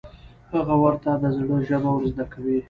هغه ورته د زړه ژبه ور زده کوي.